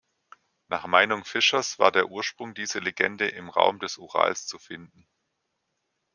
Nach Meinung Fischers war der Ursprung diese Legende im Raum des Urals zu finden.